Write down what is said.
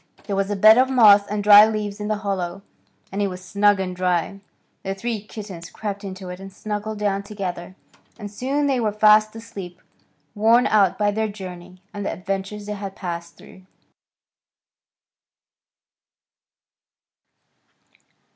There was a bed of moss and dry leaves in the hollow, and it was snug and dry. The three kittens crept into it and snuggled down together, and soon they were fast asleep, worn out by their journey and the adventures they had passed through.